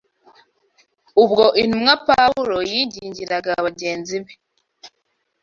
Ubwo intumwa Pawulo yingingiraga bagenzi be